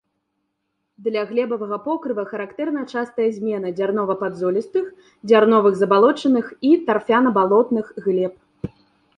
Для глебавага покрыва характэрна частая змена дзярнова-падзолістых, дзярновых забалочаных і тарфяна-балотных глеб.